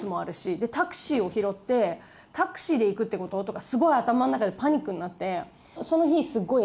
でタクシーを拾ってタクシーで行くってこと？とかすごい頭の中でパニックになって。